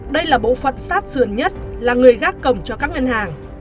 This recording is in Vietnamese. đây là bộ phận sát dườn nhất là người gác cầm cho các ngân hàng